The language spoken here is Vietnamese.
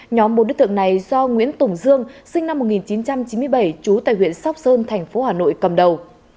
nhóm bốn đối tượng này do nguyễn tùng dương sinh năm một nghìn chín trăm chín mươi bảy trú tại huyện sóc sơn thành phố hà nội cầm đầu